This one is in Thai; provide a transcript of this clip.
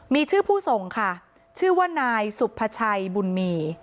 มีชื่อผู้ส่งค่ะชื่อว่านายสุภาชัยบุญมี